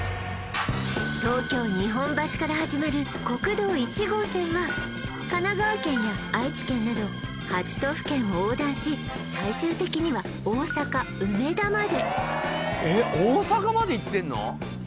東京日本橋から始まる国道１号線は神奈川県や愛知県など８都府県を横断し最終的には大阪梅田までえっ大阪までいってんの！？